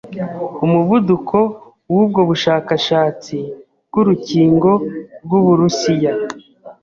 umuvuduko w'ubwo bushakashatsi bw'urukingo rw'Uburusiya,